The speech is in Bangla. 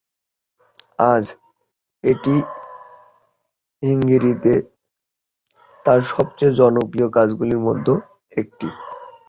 আজ, এটি হাঙ্গেরিতে তার সবচেয়ে জনপ্রিয় কাজগুলির মধ্যে একটি।